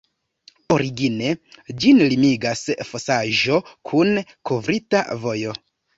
Origine ĝin limigas fosaĵo kun kovrita vojo.